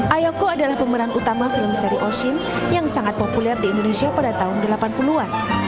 ayako adalah pemeran utama film seri oshin yang sangat populer di indonesia pada tahun delapan puluh an